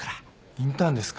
インターンですか。